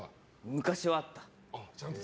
昔はあった。